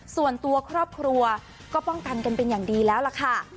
ส่วนตัวครอบครัวก็ป้องกันกันเป็นอย่างดีแล้วล่ะค่ะ